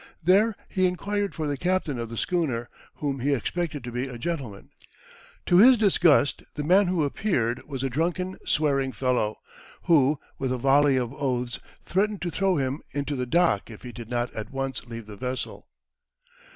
There he inquired for the captain of the schooner, whom he expected to be a gentleman. To his disgust, the man who appeared was a drunken, swearing fellow, who, with a volley of oaths, threatened to throw him into the dock if he did not at once leave the vessel.